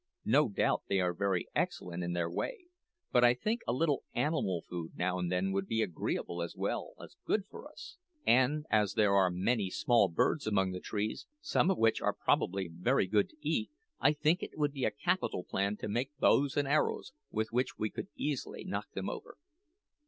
No doubt they are very excellent in their way, but I think a little animal food now and then would be agreeable as well as good for us; and as there are many small birds among the trees, some of which are probably very good to eat, I think it would be a capital plan to make bows and arrows, with which we could easily knock them over."